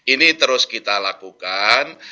ini terus kita lakukan